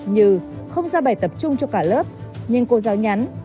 như không ra bài tập chung cho cả lớp nhưng cô giáo nhắn